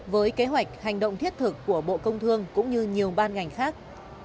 với kế hoạch hành động thiết thực của bộ công thương cũng như nhiều ban ngành khác